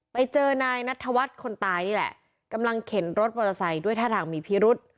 ไปเจอนายนัทธวัฒน์คนตายนี่แหละกำลังเข็นรถมอเตอร์ไซค์ด้วยท่าทางมีพิรุษ